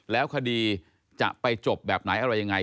แล้วคดีจะไปจบแบบไหนอะไรยังไง